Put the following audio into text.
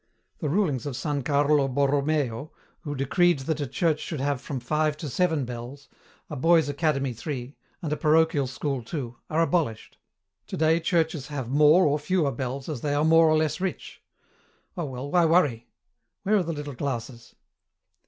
The rulings of San Carlo Borromeo, who decreed that a church should have from five to seven bells, a boy's academy three, and a parochial school two, are abolished. Today churches have more or fewer bells as they are more or less rich.... Oh, well, why worry? Where are the little glasses?"